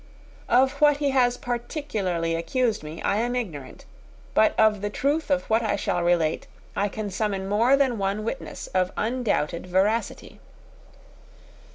Of what he has particularly accused me I am ignorant; but of the truth of what I shall relate I can summon more than one witness of undoubted veracity.